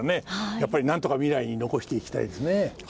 やっぱりなんとか未来に残していきたいですね。